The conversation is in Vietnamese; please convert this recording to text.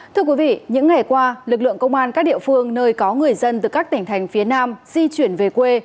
thưa quý vị những ngày qua lực lượng công an các địa phương nơi có người dân từ các tỉnh thành phía nam di chuyển về quê